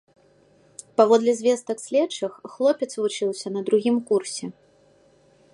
Паводле звестак следчых, хлопец вучыўся на другім курсе.